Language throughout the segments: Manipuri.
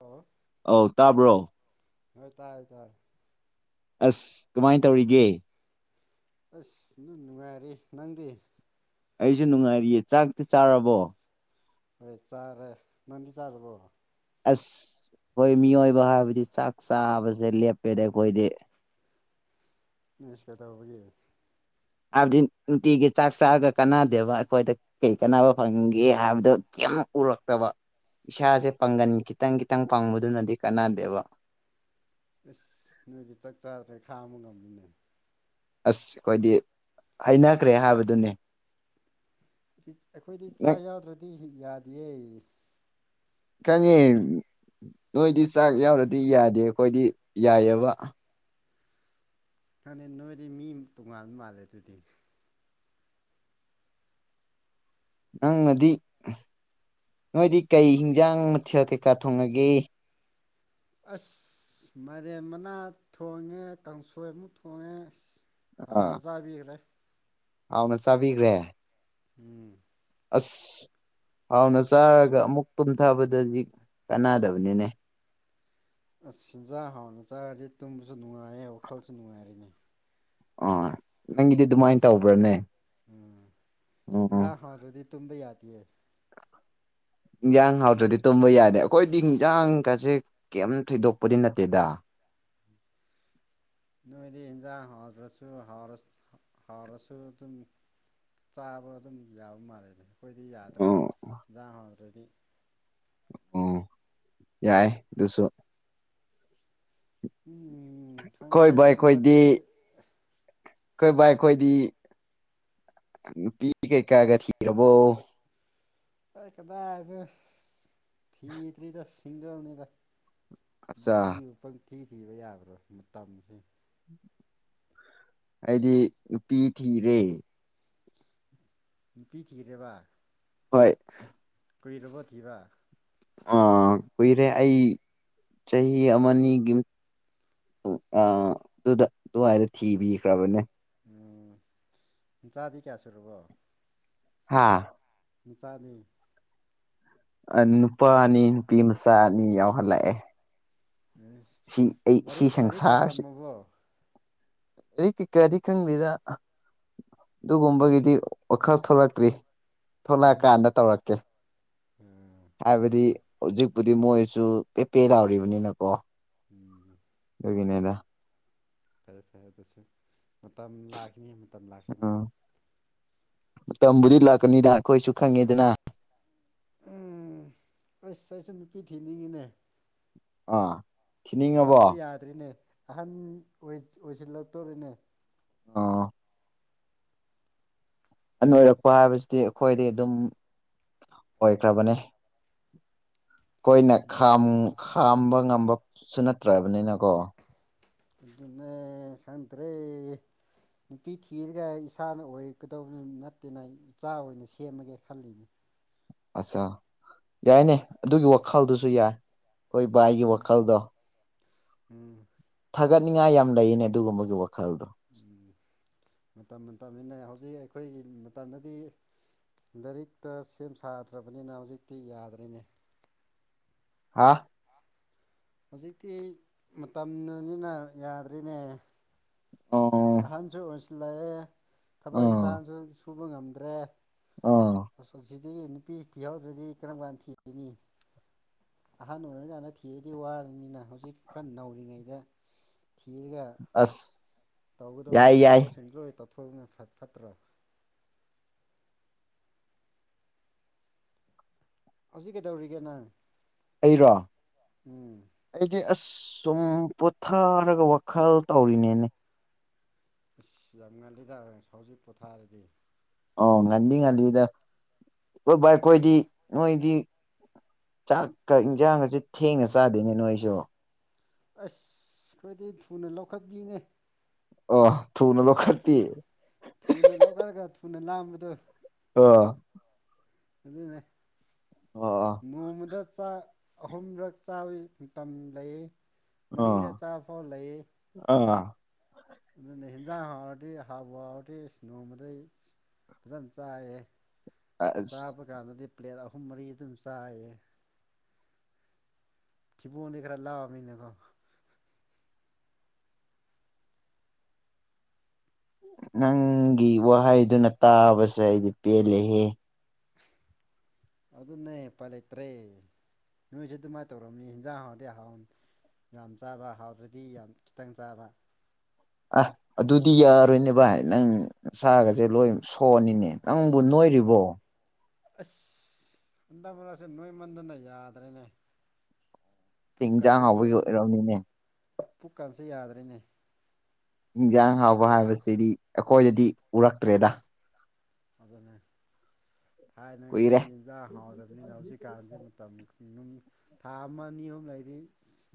ꯂꯣ ꯑꯧ ꯇꯥꯕ꯭ꯔꯣ ꯍꯣꯏ ꯇꯥꯏ ꯍ ꯇꯥꯏ ꯑꯁ ꯀꯃꯥꯏꯅ ꯇꯧꯔꯤꯒꯦ ꯑꯁ ꯑꯗꯨꯝ ꯅꯨꯡꯉꯥꯏꯔꯤ ꯅꯪꯗꯤ ꯑꯩꯁꯨ ꯅꯨꯡꯉꯥꯏꯔꯤꯌꯦ ꯆꯥꯛꯇꯤ ꯆꯥꯔꯕꯣ? ꯍꯣꯏ ꯆꯥꯔꯦ ꯅꯪꯗꯤ ꯆꯥꯔꯕꯣ? ꯑꯁ ꯑꯩꯈꯣꯏ ꯃꯤꯑꯣꯏꯕ ꯍꯥꯏꯕꯗꯤ ꯆꯥꯛ ꯆꯥꯕꯁꯦ ꯂꯦꯞꯄꯦꯗ ꯑꯩꯈꯣꯏꯗꯤ꯫ ꯏꯁ ꯀꯩꯗꯧꯕꯒꯤ ꯍꯥꯏꯕꯗꯤ ꯅꯨꯡꯇꯤꯒꯤ ꯆꯥꯛ ꯆꯥꯔꯒ ꯀꯥꯟꯅꯗꯦꯕ ꯑꯩꯈꯣꯏꯗ ꯀꯔꯤ ꯀꯥꯟꯅꯕ ꯐꯪꯒꯦ ꯍꯥꯏꯕꯗꯨ ꯌꯥꯝ ꯎꯔꯛꯇꯕ ꯏꯁꯥꯁꯦ ꯄꯥꯡꯒꯟ ꯈꯤꯇꯪ- ꯈꯤꯇꯪ ꯄꯪꯕꯗꯨꯅꯗꯤ ꯀꯥꯟꯅꯗꯦꯕ ꯫ ꯏꯁ! ꯅꯣꯏꯗꯤ ꯆꯥꯛ ꯆꯥꯗ꯭ꯔꯦ ꯈꯥꯡꯕ ꯉꯝꯃꯤꯅꯦ꯫ ꯑꯁ ꯑꯩꯈꯣꯏꯗꯤ ꯍꯩꯅꯈ꯭ꯔꯦ ꯍꯥꯏꯕꯗꯨꯅꯤ꯫ ꯑꯩꯈꯣꯏꯗꯤ ꯆꯥꯛ ꯌꯥꯎꯗ꯭ꯔꯗꯤ ꯌꯥꯗꯤꯌꯦ [unintelligible] ꯅꯣꯏꯗꯤ ꯆꯥꯛ ꯌꯥꯎꯔꯗꯤ ꯌꯥꯗꯦ ꯑꯩꯈꯣꯏꯗꯤ ꯌꯥꯏꯑꯕ ꯃꯥꯅꯦ ꯅꯣꯏꯗꯤ ꯃꯤ ꯇꯣꯡꯉꯥꯟꯕ ꯃꯥꯜꯂꯦ ꯑꯗꯨꯗꯤ ꯅꯪꯅꯗꯤ ꯅꯣꯏꯗꯤ ꯀꯩ ꯍꯤꯟꯖꯥꯡ ꯃꯊꯦꯜ ꯀꯩꯀꯥ ꯊꯣꯡꯉꯒꯦ ꯑꯁ ꯃꯥꯢꯔꯦꯟ ꯃꯅꯥ ꯊꯣꯡꯉꯦ ꯀꯥꯡꯁꯣꯏ ꯑꯃꯨꯛ ꯊꯣꯡꯉꯦ ꯑꯁ ꯍꯥꯎꯅ ꯑꯥ ꯆꯥꯕꯤꯒ꯭ꯔꯦ ꯍꯥꯎꯅ ꯆꯥꯕꯤꯈ꯭ꯔꯦ ꯎꯝ ꯑꯁ ꯍꯥꯎꯅ ꯆꯥꯔꯒ ꯑꯃꯨꯛ ꯇꯨꯝꯊꯕꯗꯗꯤ ꯀꯥꯟꯅꯗꯕꯅꯤꯅꯦ ꯑꯁ ꯍꯤꯟꯖꯥꯛ ꯍꯥꯎꯅ ꯆꯥꯔꯗꯤ ꯇꯨꯝꯕꯁꯨ ꯅꯨꯡꯉꯥꯏꯔꯦ ꯋꯥꯈꯜꯁꯨ ꯅꯨꯡꯉꯥꯏꯕ ꯅꯦ ꯑꯥ ꯅꯪꯒꯤꯗꯤ ꯑꯗꯨꯃꯥꯏꯅ ꯇꯧꯕ꯭ꯔꯅꯦ ꯎꯝ ꯎꯝ ꯏꯟꯖꯥꯡ ꯍꯥꯎꯇꯔ꯭ꯗꯤ ꯇꯨꯝꯕ ꯌꯥꯗꯤꯌꯦ ꯏꯟꯖꯥ ꯂꯡ ꯍꯥꯎꯗ꯭ꯔꯗꯤ ꯇꯨꯝꯕ ꯌꯥꯗꯦ ꯑꯩꯈꯣꯏꯗꯤ ꯌꯦꯟꯖꯥꯡꯒꯁꯦ ꯀꯩꯝ ꯊꯣꯏꯗꯣꯛꯄꯗꯤ ꯅꯠꯇꯦꯗ ꯅꯣꯏꯗꯤ ꯌꯦꯟꯖꯥꯡ ꯍꯥꯎꯗ꯭ꯔꯁꯨ-ꯍꯥꯥꯎꯔꯁꯨ ꯑꯗꯨꯝ ꯆꯥꯕ ꯑꯗꯨꯝ ꯌꯥꯕ ꯃꯥꯜꯂꯦ ꯑꯩꯈꯣꯏꯗꯤ ꯌꯥꯗ꯭ꯔꯦ ꯑꯣ ꯏꯟꯖꯥꯡ ꯍꯥꯎꯗ꯭ꯔꯗꯤ ꯑꯣ ꯌꯥꯏ ꯑꯗꯨꯁꯨ ꯎꯝ ꯈꯪꯗꯦ ꯈꯣꯏ ꯕꯥꯏ ꯍꯟꯗꯛ ꯈꯣꯏꯗꯤ ꯃꯔꯛꯁꯦ ꯈꯣꯏ ꯕꯥꯏ ꯈꯣꯢꯗꯤ ꯅꯨꯄꯤ ꯀꯩ ꯀꯥꯒ ꯊꯔꯕꯣ ꯑ ꯀꯥꯗꯥꯏꯗ ꯊꯤꯗꯔꯤꯗ ꯁꯤꯡꯒꯜꯅꯤꯗ ꯑꯠꯆꯥ ꯄꯤꯕꯨ ꯄꯪꯊꯤ ꯊꯤꯕ ꯌꯥꯕ꯭ꯔꯥ ꯃꯇꯝꯁꯦ ꯑꯩꯗꯤ ꯅꯨꯄꯤ ꯊꯤꯔꯦ ꯅꯨꯄꯤ ꯊꯤꯔꯦꯕꯥ ꯍꯣꯏ ꯀꯨꯏꯔꯕꯣ ꯊꯤꯕꯥ ꯑ ꯀꯨꯏꯔꯦ ꯑꯩ ꯆꯍꯤ ꯑꯃꯅꯤꯒꯤ ꯑ ꯑꯗꯨꯗ ꯑꯗꯨꯋꯥꯏꯗ ꯊꯤꯕꯤꯈ꯭ꯔꯕꯅꯦ ꯎ ꯅꯆꯥꯗꯤ ꯀꯌꯥꯁꯨꯔꯕꯣ ꯍꯥꯥ ꯅꯆꯥꯗꯤ ꯅꯨꯄꯥ ꯑꯅꯤ ꯅꯨꯄꯤ ꯃꯆꯥ ꯑꯅꯤ ꯌꯥꯎꯍꯜꯂꯛꯑꯦ ꯎꯝ ꯁꯤ ꯑꯩ ꯂꯥꯏꯔꯤꯛ ꯂꯥꯏꯔꯤꯛ ꯀꯥ ꯇꯝꯃꯕꯣ [unintelligible] ꯀꯩꯀꯗꯤ ꯈꯡꯗꯦꯗ ꯑꯗꯨꯒꯨꯝꯕꯒꯤꯗꯤ ꯋꯥꯈꯜ ꯊꯣꯛꯂꯛꯇ꯭ꯔꯤ ꯊꯣꯛꯂꯛꯑꯀꯥꯟꯗ ꯇꯧꯔꯛꯀꯦ ꯎꯝ ꯐꯩ ꯍꯥꯏꯕꯗꯤ ꯐꯩ ꯍꯧꯖꯤꯛꯄꯨꯗꯤ ꯃꯣꯏꯁꯨ ꯄꯦꯄꯦ ꯂꯥꯎꯔꯤꯕꯅꯤꯅ ꯀꯣ ꯎꯝ [unintelligible] ꯐꯔꯦ- ꯐꯔꯦ ꯑꯗꯨꯁꯨ ꯃꯇꯝ ꯂꯥꯛꯈꯤꯅꯤ ꯃꯇꯝ ꯂꯥꯛꯈꯤꯅꯤ ꯎꯝ ꯃꯇꯝꯕꯨꯗꯤ ꯂꯥꯛꯀꯅꯤꯗ ꯑꯩꯈꯣꯏꯁꯨ ꯈꯪꯉꯤꯗꯅ ꯎꯝ ꯑꯁ ꯑꯩꯁꯦ ꯅꯨꯄꯤ ꯊꯤꯅꯤꯡꯉꯤꯅꯦ ꯑꯥ ꯊꯤꯅꯤꯡꯉꯕꯣ ꯃꯇꯝꯁꯨ ꯌꯥꯗ꯭ꯔꯤꯅꯦ ꯑꯍꯟ ꯑꯣꯏꯁꯤꯜꯂꯛꯇꯣꯔꯤꯅꯦ ꯑ ꯑ ꯑꯣꯏꯔꯛꯄ ꯍꯥꯏꯕꯁꯤꯗꯤ ꯑꯩꯈꯣꯏꯗꯤ ꯑꯗꯨꯝ ꯑꯣꯏꯈ꯭ꯔꯕꯅꯦ ꯑꯩꯈꯣꯏꯅ ꯈꯥꯝ ꯈꯥꯝꯕ ꯉꯝꯕꯁꯨ ꯅꯠꯇ꯭ꯔꯕꯅꯤꯅꯀꯣ ꯑꯗꯨꯅꯦ ꯁꯥꯟꯗ꯭ꯔꯦ ꯅꯨꯄꯤ ꯊꯤꯔꯒ ꯏꯁꯥꯅ ꯑꯣꯏꯔꯛꯀꯗꯧꯕ ꯅꯠꯇꯦꯅ ꯏꯆꯥ ꯑꯣꯏꯅ ꯁꯦꯝꯃꯒꯦ ꯈꯜꯂꯤꯅꯤ ꯑꯠꯆꯥ ꯌꯥꯏꯅꯦ ꯑꯗꯨꯒꯤ ꯋꯥꯈꯜꯗꯨꯁꯨ ꯌꯥꯏ ꯑꯩꯈꯣꯏ ꯚꯏꯒꯤ ꯎꯝ ꯋꯥꯈꯜꯗꯣ ꯎꯝ ꯊꯥꯒꯠꯅꯤꯡꯉꯥꯏ ꯌꯥꯝ ꯂꯩꯔꯤꯅꯤ ꯑꯗꯨꯒꯨꯝꯕꯒꯤ ꯋꯥꯈꯜ ꯃꯇꯝ ꯃꯇꯝꯅꯤꯅ ꯍꯧꯖꯤꯛ ꯑꯩꯈꯣꯏꯒꯤ ꯃꯇꯝꯗꯗꯤ ꯂꯥꯏꯔꯤꯛꯇ ꯁꯦꯝ ꯁꯥꯗ꯭ꯔꯕꯅꯤꯅ ꯍꯧꯖꯤꯛꯇꯤ ꯌꯥꯗ꯭ꯔꯤꯅꯦ ꯍꯥꯥ ꯍꯧꯖꯤꯛꯇꯤ ꯃꯇꯝꯅꯤꯅ ꯌꯥꯗ꯭ꯔꯤꯅꯦ ꯑꯣ ꯑꯍꯟꯁꯨ ꯑꯣꯏꯟꯁꯤꯜꯂꯛꯑꯦ ꯊꯕꯛ ꯑꯥ ꯏꯟꯁꯥꯡꯁꯨ ꯁꯨꯕ ꯉꯝꯗ꯭ꯔꯦ ꯑꯥ ꯑꯁꯣ ꯑꯁꯤꯗꯤ ꯅꯨꯄꯤ ꯊꯤꯍꯎꯗ꯭ꯔꯗꯤ ꯀꯔꯝ ꯀꯥꯟ ꯊꯤꯔꯤꯅꯤ ꯑꯍꯥꯟꯕ ꯑꯣꯏꯔꯀꯥꯟꯗ ꯊꯤꯔꯗꯤ ꯋꯥꯔꯅꯤꯅ ꯍꯧꯖꯤꯛ ꯈꯔ ꯅꯧꯔꯤꯉꯩꯗ ꯀꯤꯔꯒ ꯑꯁ ꯌꯥꯏ ꯇꯧꯒꯗꯧꯕꯗ ꯌꯥꯏ ꯊꯕꯛ ꯁꯟꯗꯣꯏ ꯇ ꯐꯨꯅ ꯐꯠꯇ꯭ꯔꯣ ꯍꯧꯖꯤꯛ ꯀꯩꯗꯧꯔꯤꯒꯦ ꯅꯪ ꯑꯩꯔꯣ ꯎꯝ ꯑꯩꯗꯤ ꯑꯁ ꯁꯨꯝ ꯄꯣꯊꯥꯔꯒ ꯋꯥꯈꯜ ꯇꯧꯔꯤꯅꯦꯅꯦ ꯏꯁꯁ ꯌꯥꯝ ꯉꯜꯂꯤꯗꯥꯕ ꯁꯥꯎꯖꯤꯛ ꯄꯣꯊꯥꯔꯗꯤ ꯑꯣ ꯉꯗꯤ ꯉꯜꯂꯤꯗ ꯑꯩꯈꯣꯏꯗꯤ ꯅꯣꯏꯗꯤ ꯆꯥꯛꯀ ꯏꯟꯁꯥꯡꯒꯁꯦ ꯊꯦꯡꯅ ꯆꯥꯗꯣꯏꯅꯦ ꯅꯣꯏꯁꯨ ꯑꯁ ꯑꯩꯈꯣꯏꯗꯤ ꯊꯨꯅ ꯂꯧꯈꯠꯄꯤꯅꯦ ꯑ ꯊꯨꯅ ꯂꯧ ꯈꯇ ꯑꯩꯈꯅ ꯂꯥꯝꯕꯗ ꯑ ꯑꯗꯨꯅꯦ ꯑꯣ ꯅꯣꯡꯃꯗ ꯑꯍꯨꯝꯂꯛ ꯆꯥꯕ ꯃꯇꯝ ꯂꯩ ꯑꯣ ꯃꯔꯤꯔ ꯆꯥ ꯐꯥꯎ ꯂꯩꯌꯦꯦ ꯑꯥ ꯑꯗꯨꯅ ꯍꯟꯖꯥꯡ ꯍꯥꯥꯎꯔꯗꯤ ꯍꯥꯥꯎꯕ ꯍꯥꯎꯔꯗꯤ ꯅꯣꯡꯃꯗꯩ ꯐꯖꯅ ꯆꯥꯏꯑ ꯑꯁ ꯆꯥꯕ ꯀꯥꯟꯗꯗꯤ ꯄ꯭ꯂꯦꯠ ꯑꯍꯨꯝ ꯃꯔꯤ ꯑꯗꯨꯝ ꯆꯥꯏꯌꯦ ꯊꯤꯕꯣꯟꯗꯤ ꯈꯔ ꯂꯥꯛꯑ ꯃꯤꯅꯀꯣ ꯅꯪꯒꯤ ꯋꯥꯍꯩꯗꯨꯅ ꯇꯥꯕꯁꯦ ꯑꯩꯗꯤ ꯄꯦꯜꯜꯂꯤꯦꯍꯦ [unintelligible] ꯑꯗꯨꯅꯦ ꯄꯥꯏ ꯂꯩꯇ꯭ꯔꯦ ꯅꯣꯏꯁꯨꯦ ꯑꯗꯨꯃꯥꯏꯅ ꯇꯧꯔꯝꯅꯤ ꯍꯟꯖꯥꯡ ꯍꯥꯟꯔꯗꯤ ꯍꯥꯎꯅꯤ ꯌꯥꯝ ꯆꯥꯕ ꯍꯥꯎꯗ꯭ꯔꯗꯤ ꯌꯥꯝ ꯈꯤꯇꯪ ꯆꯥꯕ ꯑ ꯑꯗꯨꯗꯤ ꯌꯥꯔꯣꯏꯅꯦ ꯚꯥꯏ ꯅꯪ ꯁꯥꯒꯁꯦ ꯂꯣꯏ ꯁꯣꯛꯅꯤꯅꯦ ꯅꯪꯕꯨ ꯅꯣꯏ ꯑꯣꯏꯔꯤꯕꯣ ꯑꯁ ꯑꯟꯗ ꯃꯂꯁꯦ ꯅꯣꯏꯃꯟꯗꯅ ꯌꯥꯗ꯭ꯔꯦꯅꯦ ꯏꯟꯖꯥꯡ ꯄꯨꯛꯀꯁꯤ ꯍꯥꯎꯕꯒꯤ ꯂꯣꯏ ꯑꯣꯏꯔꯝꯅꯤꯅꯦ ꯄꯨꯀꯁꯤ ꯌꯥꯗ꯭ꯔꯔꯤꯅꯦ ꯏꯟꯁꯥꯡ ꯍꯥꯎꯕ ꯍꯥꯏꯕꯁꯤꯗꯤ ꯑꯩꯈꯣꯏꯗꯗꯤ ꯎꯔꯛꯇ꯭ꯔꯦꯗ ꯑꯗꯨꯅꯦ ꯊꯥꯏꯅꯗꯤ ꯀꯨꯏꯔꯦ ꯌꯦꯟꯖꯥꯡ ꯍꯥꯎꯗꯕꯅꯤꯅ ꯍꯧꯖꯤꯛꯀꯥꯟꯗꯤ ꯃꯇꯝꯅꯤ ꯊꯥ ꯑꯃ ꯑꯅꯤ ꯑꯍꯨꯝ ꯂꯩꯗꯤ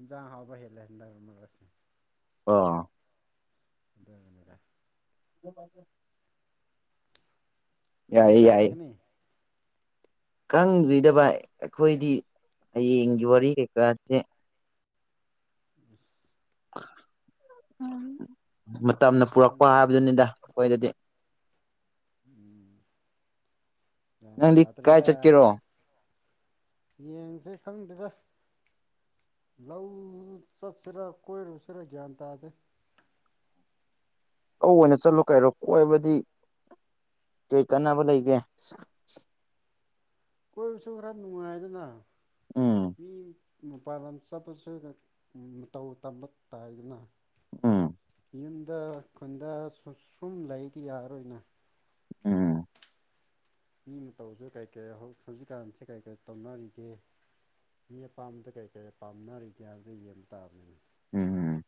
ꯏꯟꯖꯥꯡ ꯍꯥꯎꯕ ꯍꯦꯜꯂꯦꯍꯗꯕ ꯃꯔꯂꯁ ꯑ ꯗ ꯑꯗ [inaudible] ꯍꯌꯦꯡ ꯌꯥꯏꯌꯦ ꯀꯥꯏ ꯌꯥꯏꯌꯦ ꯆꯀꯅꯤ ꯈꯪꯗ꯭ꯔꯤꯗ ꯕꯥꯢ ꯑꯩꯈꯣꯏꯗꯤ ꯍꯌꯦꯡꯒꯤ ꯋꯥꯔꯤ ꯀꯩꯀꯥꯁꯦ [unintelligible] ꯃꯇꯝꯅ ꯍꯧꯖꯤꯛ ꯄꯨꯔꯛꯄ ꯈꯪꯗꯕꯅꯤꯅ ꯍꯥꯏꯕꯗꯨꯅꯤꯗ ꯑꯩꯈꯣꯏꯗꯗꯤ [inaudible] ꯒ꯭ꯌꯥꯟ ꯅꯪꯗꯤ ꯀꯥꯏ ꯆꯠꯀꯦꯔꯣ ꯌꯦꯟꯁꯦ ꯈꯪꯗꯒ ꯂꯧ ꯆꯠꯁꯤꯔ ꯀꯣꯏꯔꯨꯁꯤꯔ ꯒ꯭ꯌꯥꯟ ꯇꯥꯗꯦ ꯂꯧ ꯑꯣꯏꯅ ꯆꯠꯂꯣ ꯀꯥꯏꯔꯣ ꯀꯣꯏꯕꯗꯤ ꯀꯩ ꯀꯥꯟꯅꯕ ꯂꯩꯒꯦ ꯀꯣꯏꯕꯁꯨ ꯈꯔ ꯅꯨꯡꯉꯥꯏꯗꯅ ꯎꯝ ꯃꯤ ꯃꯄꯥꯟ ꯂꯝ ꯆꯠꯄꯁꯤ ꯃꯇꯧ ꯇꯝꯕ ꯇꯥꯏꯗꯅ ꯎꯝ ꯌꯨꯝꯗ ꯈꯨꯟꯗ ꯁꯨꯝ ꯂꯩꯗꯤ ꯌꯥꯔꯣꯏꯅ ꯎꯝ ꯃꯤ ꯃꯇꯧꯁꯨ ꯀꯩꯀꯔꯤ ꯍꯧ ꯍꯧꯖꯤꯛꯀꯥꯟꯁꯤ ꯀꯔꯤ ꯀꯔꯤ ꯇꯧꯅꯔꯤꯒꯦ ꯃꯤ ꯑꯄꯥꯝꯕꯗ ꯀꯩ ꯀꯩ ꯄꯥꯝꯅꯔꯤꯒꯦ ꯍꯥꯏꯕꯗꯨ ꯌꯦꯡꯕ ꯇꯥꯕꯅꯤꯅ ꯎꯝ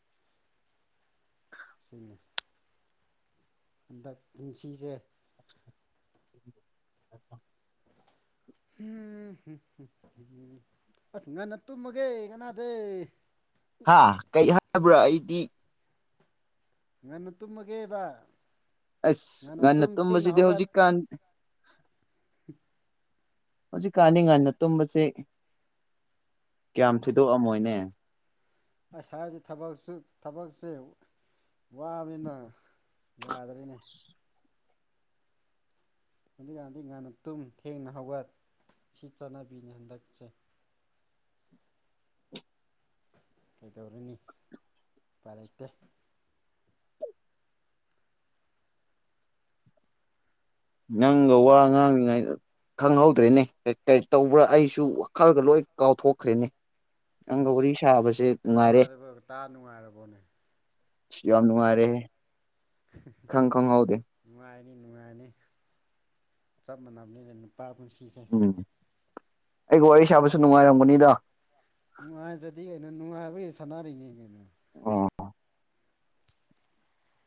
ꯁꯤ ꯍꯟꯗꯛ ꯄꯨꯟꯁꯤꯁꯦ [inaudible] ꯍꯝ ꯍꯝ ꯍꯝ ꯑꯁ ꯉꯟꯅ ꯇꯨꯝꯃꯒꯦ ꯀꯅꯥꯗꯩ ꯍꯥ ꯀꯩ ꯍꯥꯏꯕ꯭ꯔꯣ ꯑꯩꯗꯤ ꯉꯟꯅ ꯇꯨꯝꯃꯒꯦꯗ ꯑꯁ ꯉꯥꯟꯅ ꯇꯨꯝꯕꯁꯤꯗꯤ ꯍꯧꯖꯤꯛꯀꯥꯟ ꯍꯧꯖꯤꯛ ꯀꯥꯟꯅꯤ ꯉꯥꯟꯅ ꯇꯨꯝꯕꯁꯦ ꯀꯌꯥꯝ ꯊꯤꯗꯣꯛꯑꯝꯃꯣꯏꯅꯦ ꯑꯁ ꯍꯥꯏꯗꯤ ꯊꯕꯛꯁꯨ ꯊꯕꯛꯁꯦ ꯋꯥꯕꯅꯤꯅ ꯌꯥꯗ꯭ꯔꯦꯅꯦ ꯑꯗꯨꯀꯥꯟꯗꯤ ꯉꯅ ꯇꯨꯝ ꯊꯦꯡꯅ ꯍꯧꯒꯠ ꯁꯤ ꯆꯠꯅꯕꯤꯅꯤ ꯍꯟꯗꯛꯁꯦ ꯀꯩꯗꯧꯔꯅꯤ ꯄꯔ ꯂꯩꯇꯦ ꯅꯪꯒ ꯋꯥ ꯅꯪ ꯉꯥꯡꯂꯤꯉꯥꯏꯗ ꯈꯪꯍꯧꯗ꯭ꯔꯦꯅꯦ ꯀꯩ ꯇꯧꯕ꯭ꯔꯥ ꯑꯩꯁꯨ ꯋꯥꯈꯜꯒ ꯂꯣꯏ ꯀꯥꯎꯊꯣꯛꯈ꯭ꯔꯦꯅꯦ ꯅꯪꯒ ꯋꯥꯔꯤ ꯁꯥꯕꯁꯦ ꯅꯨꯡꯉꯥꯏꯔꯦ ꯅꯨꯉꯥꯢꯔꯕꯣꯅꯦ ꯌꯥꯝ ꯅꯨꯡꯉꯥꯏꯔꯦꯍꯦ ꯈꯪ ꯈꯪꯍꯧꯗꯦ ꯅꯤ ꯅꯨꯍꯥꯏꯅꯤ ꯆꯞꯃꯅꯕꯨꯅꯤ ꯂ ꯅꯨꯄꯥꯕꯨꯨꯟꯁꯤꯁ ꯎꯝ ꯑꯩꯒ ꯋꯥꯔꯤ ꯁꯥꯕꯁꯨ ꯅꯨꯡꯉꯥꯏꯔꯒꯅꯤꯗ ꯅꯨꯡꯉꯥꯏꯗ꯭ꯔꯗꯤ ꯀꯩꯅꯣ ꯅꯨꯡꯉꯥꯏꯕꯒꯤ ꯁꯥꯟꯅꯔꯤꯅꯤ ꯀꯩꯅꯣ ꯑꯣ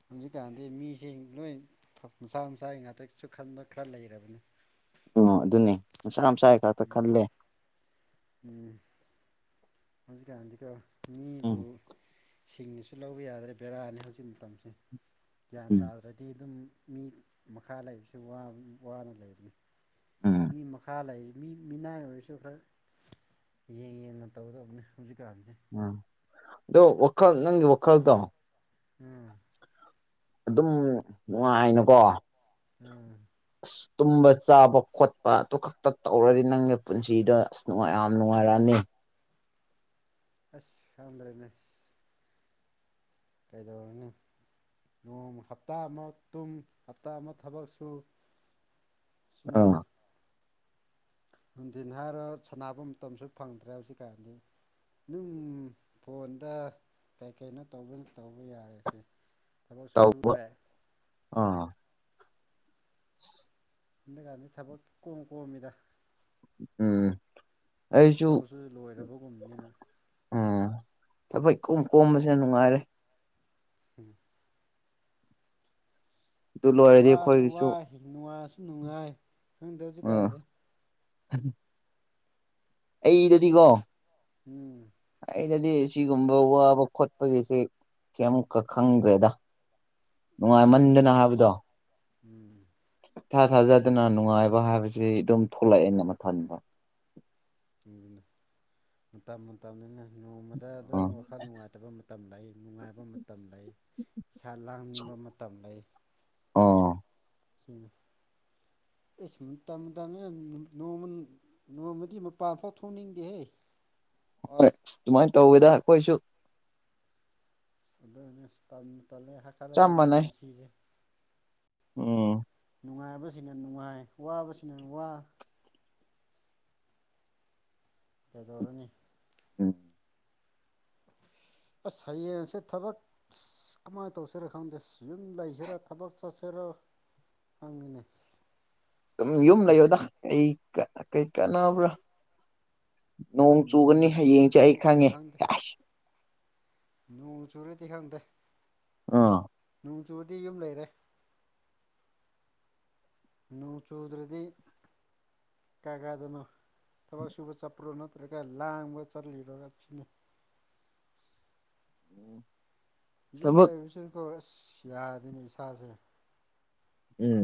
ꯍꯧꯖꯤꯛꯀꯥꯟꯗꯤ ꯃꯤꯁꯤ ꯂꯣꯏ ꯃꯁꯥ ꯃꯁꯥꯒꯤ ꯉꯥꯛꯇꯁꯨ ꯈꯟꯕ ꯈꯔ ꯂꯩꯔꯕꯅꯤ ꯑꯣ ꯑꯗꯨꯅꯦ ꯃꯁꯥ ꯃꯁꯥꯒꯤ ꯈꯛꯇ ꯎꯝ ꯈꯜꯂꯦ ꯍꯧꯖꯤꯛ ꯀꯥꯟꯗꯤ ꯀꯣ ꯎꯝ ꯁꯤꯡꯉꯤꯁꯨ ꯂꯧꯕ ꯌꯥꯗ꯭ꯔꯦ ꯕꯦꯔꯥꯅꯤ ꯍꯧꯖꯤꯛ ꯃꯇꯝꯁꯦ ꯒ꯭ꯌꯥꯟ ꯎꯝ ꯇꯥꯗ꯭ꯔꯗꯤ ꯑꯗꯨꯝ ꯃꯤ ꯃꯈꯥ ꯂꯩꯕꯕꯁꯤ ꯋꯥꯅ ꯂꯩꯕꯅꯤ ꯎꯝ ꯃꯤ ꯃꯈꯥ ꯂꯩ ꯃꯤ ꯃꯤꯅꯥꯏ ꯑꯣꯏꯔꯁꯨ ꯈꯔ ꯌꯦꯡ ꯌꯦꯡꯅ ꯇꯧꯒꯗꯕꯅꯤ ꯍꯧꯖꯤꯛꯀꯥꯟ ꯎꯝ ꯑꯗꯣ ꯋꯥꯈꯜ ꯅꯪꯒꯤ ꯋꯥꯈꯥꯜꯗ ꯎꯝ ꯑꯗꯨꯝ ꯅꯨꯡꯉꯥꯏꯅꯀꯣ ꯎꯝ ꯇꯨꯝꯕ ꯆꯥꯕ ꯈꯣꯠꯄ ꯑꯗꯨ ꯈꯛꯇ ꯇꯧꯔꯗꯤ ꯅꯪꯒꯤ ꯄꯨꯟꯁꯤꯗꯣ ꯑꯁꯅꯨꯡꯉ ꯌꯥꯝ ꯅꯨꯡꯉꯥꯏꯔꯛꯑꯅꯤ ꯎ ꯑꯗꯔꯅꯦ ꯀꯩꯗꯧꯔꯅꯤ ꯅꯣꯡ ꯍꯞꯇꯥ ꯑꯃ ꯇꯨꯡ ꯍꯞꯇꯥ ꯑꯃ ꯊꯕꯛ ꯁꯨ ꯁꯤꯅꯦꯅ ꯑꯥ ꯅꯨꯡꯊꯤꯟ ꯍꯥꯏꯔꯣ ꯁꯅꯕ ꯃꯇꯝꯁꯨ ꯐꯪꯗ꯭ꯔꯦ ꯍꯧꯖꯤꯛꯀꯥꯟꯗꯤ ꯑꯗꯨꯝ ꯐꯣꯟꯗ ꯀꯩ ꯀꯩꯅꯣ ꯇꯧꯕ ꯇꯧꯕ ꯌꯥꯔꯁꯦ ꯇꯧꯕ ꯑꯥ [unintelligible] ꯑꯗꯨꯀꯥꯟꯗ ꯊꯕꯛ ꯀꯣꯝ ꯀꯣꯝꯃꯤꯗ ꯎꯝ ꯑꯩꯁꯨ ꯂꯧꯁꯨ ꯂꯣꯏꯔꯕꯒꯨꯝꯅꯤꯅ ꯎꯝ ꯊꯕꯣꯏ ꯀꯣꯝ ꯀꯣꯝꯕꯁꯦꯅ ꯅꯨꯡꯉꯥꯏꯔꯦ ꯎꯝ ꯑꯗꯨ ꯂꯣꯏꯔꯗꯤ ꯋꯥꯁꯨ ꯑꯩꯈꯣꯏꯒꯤꯁꯨ ꯋꯥꯏ ꯅꯨꯡꯉꯥꯏꯁꯨ ꯅꯨꯡꯉꯥꯏ ꯈꯪꯗꯦ ꯍꯧꯖꯤꯛꯀꯥꯟꯁꯦ ꯎꯝ ꯑꯩꯗꯗꯤꯀꯣ ꯎꯝ ꯑꯩꯗꯗꯤ ꯁꯤꯒꯨꯝꯕ ꯋꯥꯕ ꯈꯣꯠꯄꯒꯤꯁꯦ ꯀꯩꯃꯨꯀ ꯈꯪꯗ꯭ꯔꯦꯗ ꯑꯣ ꯅꯨꯡꯉꯥꯏꯃꯟꯗꯅ ꯍꯥꯏꯕꯗꯣ ꯎꯝ ꯊꯥ ꯊꯥꯖꯗꯅ ꯅꯨꯡꯉꯥꯏꯕ ꯍꯥꯏꯕꯁꯤ ꯑꯗꯨꯝ ꯊꯣꯛꯂꯛꯑꯦꯅ ꯃꯊꯟꯕ ꯃꯇꯝ ꯃꯇꯝ ꯅꯣꯡꯃꯗ ꯑꯗꯨꯝ ꯑꯥ ꯋꯥꯈꯜ ꯅꯨꯡꯉꯥꯏꯇꯕ ꯃꯇꯝ ꯂꯩ ꯅꯨꯡꯉꯥꯏꯕ ꯃꯇꯝ ꯂꯩ ꯏꯁ ꯂꯥꯡꯅꯤꯡꯕ ꯃꯇꯝ ꯂꯩ ꯑꯣ ꯎ [unintelligible] ꯑꯦ ꯁꯨꯝ ꯃꯇꯝ ꯇ ꯅꯣꯡꯃ ꯅꯣꯡꯃꯗꯤ ꯃꯄꯥꯟꯐꯥꯎ ꯊꯣꯛꯅꯤꯡꯗꯦꯍꯦ ꯍꯣꯏ ꯁꯨꯃꯥꯏꯅ ꯇꯧꯕꯗ ꯑꯩꯈꯣꯏꯁꯨ ꯑꯗꯨ ꯇ ꯇꯜꯂꯦ ꯍꯥ ꯈꯠꯂꯗꯤ ꯃꯤ ꯄꯨꯟꯁꯤꯁꯦ ꯑꯣꯝ ꯅꯨꯡꯉꯥꯏꯕꯁꯤꯅ ꯅꯨꯡꯉꯥꯏ ꯋꯥꯕꯁꯤꯅ ꯋꯥ ꯀꯗꯧꯣꯔꯅꯤ ꯎꯝ ꯑꯁ ꯍꯌꯦꯡꯁꯦ ꯊꯕꯛ ꯀꯃꯥꯏꯅ ꯇꯧꯁꯤꯔꯥ ꯈꯪꯗꯦ ꯌꯨꯝ ꯂꯩꯁꯤꯔꯥ ꯊꯕꯛ ꯆꯠꯁꯤꯔꯥ ꯑꯣ ꯐꯉꯅꯦ ꯝ ꯌꯨꯝ ꯂꯩꯌꯣꯗ ꯀꯩ ꯀꯥꯟꯅꯕ꯭ꯔꯥ ꯅꯣꯡ ꯈꯪꯗꯦ ꯆꯨꯒꯅꯤ ꯍꯌꯦꯡꯁꯦ ꯆꯨꯔꯗꯤ ꯑꯩ ꯈꯪꯗꯦ ꯈꯪꯉꯦꯁ ꯅꯣꯡ ꯆꯨꯨꯔꯗꯤ ꯈꯪꯗꯦ ꯑꯥ ꯅꯣꯡ ꯆꯨꯨꯔꯗꯤ ꯌꯨꯝ ꯂꯩꯔꯦ ꯅꯨ ꯆꯨꯗꯨ꯭ꯔꯗꯤ ꯀꯒꯥꯗꯨꯅ ꯇꯕꯥ ꯁꯨꯕ ꯆꯄ꯭ꯔꯣ ꯅꯠꯇ꯭ꯔ ꯀ ꯂꯥꯥꯡꯒ ꯆꯔꯂꯤꯔꯒ ꯆꯅꯤ ꯎꯝ ꯌꯨꯝ ꯂꯩꯕꯕꯁꯤꯁꯨꯀꯣ ꯑꯁ ꯌꯥꯗꯣꯏꯅꯦ ꯏꯁꯥꯁꯦ ꯎꯝ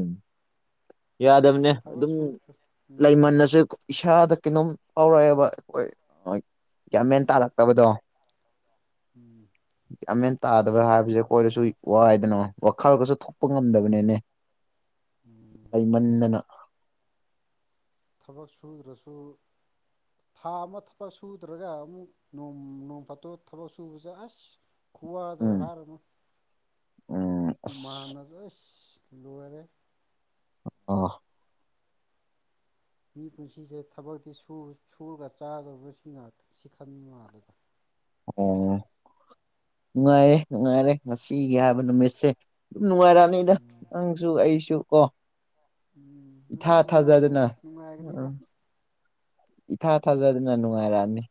ꯌꯥꯗꯕꯅꯦ ꯊꯕꯛ ꯑꯗꯨꯝ ꯁꯨꯗ꯭ꯔ ꯎꯝ ꯂꯩꯃꯜꯟꯅꯁꯨ ꯏꯁꯥꯗ ꯀꯩꯅꯣꯝ ꯐꯥꯎꯔꯛꯑꯦꯕ ꯑꯩꯈꯣꯏ ꯌꯥꯝꯒꯌꯥꯃꯦꯟ ꯎꯝ ꯇꯥꯔꯛꯇꯕꯗꯣ ꯎꯝ ꯌꯥꯝꯃꯦꯟ ꯇꯥꯗꯕ ꯍꯥꯏꯕꯁꯦ ꯑꯩꯈꯣꯏꯗꯁꯨ ꯋꯥꯏꯗꯅꯣ ꯋꯥꯈꯜꯒꯁꯨ ꯊꯣꯛꯄ ꯉꯝꯗꯕꯅꯤꯅꯦ ꯎꯝ ꯂꯩꯩꯃꯟꯗꯅ ꯊꯕꯛ ꯁꯨꯗ꯭ꯔꯁꯨ ꯊꯥ ꯑꯃ ꯊꯕꯛ ꯁꯨꯗ꯭ꯔꯒ ꯑꯃꯨꯛ ꯅꯣꯡ ꯐꯥꯗꯣꯛ ꯊꯕꯛ ꯁꯨꯕꯁꯦ ꯑꯁ ꯈꯨꯨꯋꯥ ꯗꯨ ꯎꯝ ꯍꯥꯏꯔꯨꯅꯨ ꯎꯝ ꯍꯨꯃꯥꯝꯅꯁꯨ ꯑꯁ ꯂꯣꯏꯔꯦ ꯑꯣ ꯃꯤ ꯄꯨꯟꯁꯤꯁꯦ ꯊꯕꯛꯇꯤ ꯁꯨꯔꯒ ꯆꯥꯗꯕ ꯁꯤ ꯉꯥꯛꯇ ꯁꯤ ꯈꯟꯕ ꯃꯥꯟꯂꯦꯕ ꯑꯣ ꯅꯨꯡꯉꯥꯏꯔꯦ ꯅꯨꯡꯉꯥꯏꯔꯦ ꯉꯁꯤꯒꯤ ꯍꯥꯏꯕ ꯅꯨꯃꯤꯠꯁꯦ ꯅꯨꯡꯉꯥꯏꯔꯛꯑꯅꯤꯗ ꯎꯝ ꯅꯪꯁꯨ ꯑꯩꯁꯨ ꯀꯣ ꯎꯝ ꯏꯊꯥ ꯑꯗꯨꯝ ꯅꯨꯡꯉꯥꯏꯇ꯭ꯔꯦ ꯊꯥꯖꯗꯅ ꯅꯨꯡꯉꯥꯏꯒꯅꯤꯗ ꯎꯝ ꯏꯊꯥ ꯊꯥꯖꯗꯅ ꯅꯨꯡꯉꯥꯏꯔꯛꯑꯅꯤ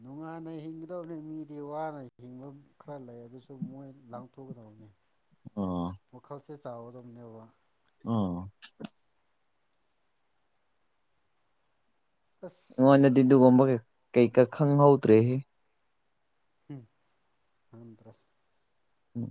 ꯅꯨꯡꯉꯥꯟꯅ ꯍꯤꯡꯒꯗꯕꯅꯤ ꯃꯤꯗꯤ ꯋꯥꯅ ꯍꯤꯡꯕ ꯈꯔ ꯂꯩ ꯑꯗꯨꯁꯨ ꯃꯣꯏ ꯂꯥꯡꯊꯣꯛꯀꯗꯕꯅꯤ [unintelligible] ꯑꯣ ꯋꯥꯈꯜꯁꯦ ꯆꯥꯎꯒꯗꯧꯕꯅꯦꯕ ꯑꯣ ꯑꯁ ꯑꯩꯉꯣꯟꯗꯗꯤ ꯑꯗꯨꯒꯨꯝꯕ ꯀꯩꯀꯥ ꯈꯪꯍꯧꯗ꯭ꯔꯦꯍꯦ ꯎꯝ ꯈꯪꯗ꯭ꯔꯦ ꯎꯝ